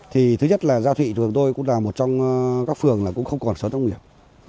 thứ nhất là gia thụy chúng tôi cũng là một trong các phường không còn sở thông nghiệp